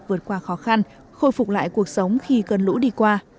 vượt qua khó khăn khôi phục lại cuộc sống khi cơn lũ đi qua